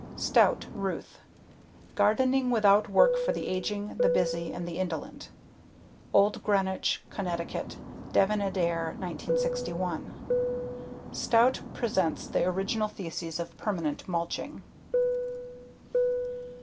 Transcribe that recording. Stout, Ruth. Gardening Without Work for the Aging, the Busy and the Indolent. Old Greenwich, Conn.: Devin Adair, 1961. Stout presents the original thesis of permanent mulching.